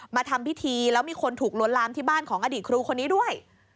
มาทำพิธีแล้วมีคนถูกลวนลามที่บ้านของอดีตครูคนนี้ด้วย